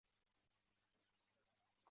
生于河南省泌阳。